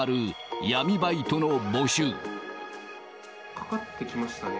かかってきましたね。